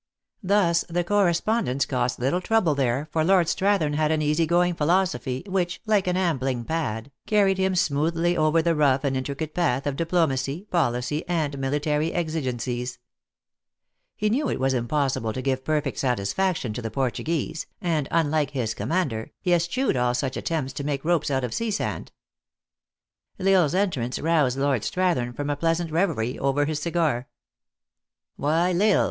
Thus the correspondence cost little THE ACTRESS IN HIGH LIFE. 325 trouble there, for Lord Strathern had an easy going philosophy, which, like an ambling pad, carried him smoothly over the rough and intricate path of diplo macy, policy, and military exigencies. He knew it was impossible to give perfect satisfaction to the Portuguese, and unlike his commander, he eschewed all such attempts to make ropes out of sea sand. L lsle s entrance roused Lord Strathern from a pleasant reverie over his cigar. " Why, L Isle !